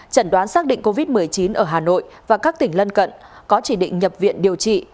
chẩn đoán xác định covid một mươi chín ở hà nội và các tỉnh lân cận có chỉ định nhập viện điều trị